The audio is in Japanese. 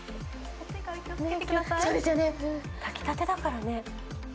炊きたてだからね。